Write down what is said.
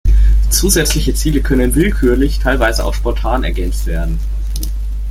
Zusätzliche Ziele können willkürlich, teilweise auch spontan ergänzt werden.